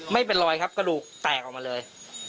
ไม่เป็นรอยครับกระดูกแตกออกมาเลย